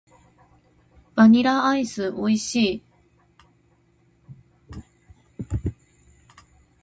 バニラアイス美味しい。